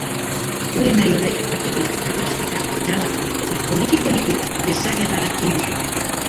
Ur-emari horrek partikulak arrastaka daramatza eta poliki-poliki desagerrarazten ditu.